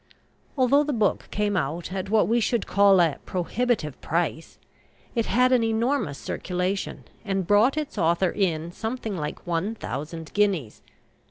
Although the book came out at what we should call a "prohibitive price," it had an enormous circulation, and brought its author in something like 1,000 guineas.